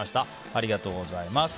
ありがとうございます。